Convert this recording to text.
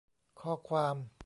ข้อความ